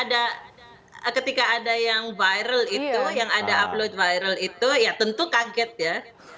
nah ketika ada yang viral itu yang ada upload viral itu ya tentu kaget ya